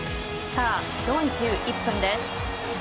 ４１分です。